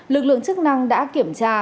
lực lượng chức năng đã kiểm tra